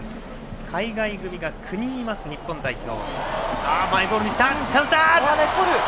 海外組が９人います、日本代表。